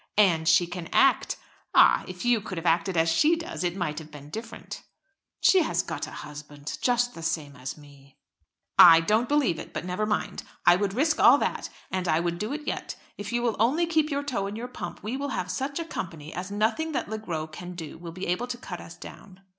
"And she can act. Ah! if you could have acted as she does, it might have been different." "She has got a husband just the same as me." "I don't believe it; but never mind, I would risk all that. And I will do it yet. If you will only keep your toe in your pump, we will have such a company as nothing that Le Gros can do will be able to cut us down."